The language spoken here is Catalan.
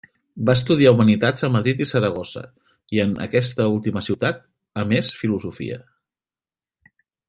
Va estudiar humanitats a Madrid i Saragossa, i en aquesta última ciutat a més Filosofia.